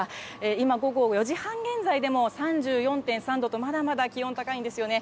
今、午後４時半現在でも３４．３度と、まだまだ気温高いんですよね。